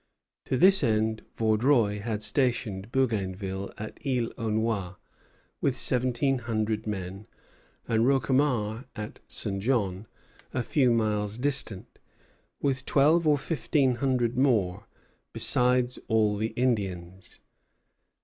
To this end Vaudreuil had stationed Bougainville at Isle aux Noix with seventeen hundred men, and Roquemaure at St. John, a few miles distant, with twelve or fifteen hundred more, besides all the Indians.